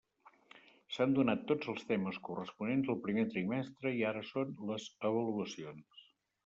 S'han donat tots els temes corresponents al primer trimestre i ara són les avaluacions.